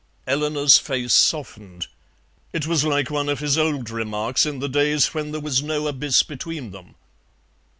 Eleanor's face softened. It was like one of his old remarks in the days when there was no abyss between them.